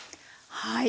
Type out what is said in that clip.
はい。